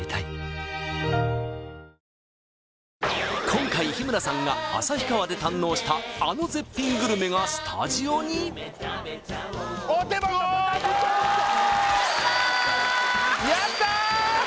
今回日村さんが旭川で堪能したあの絶品グルメがスタジオにうわ豚丼きた！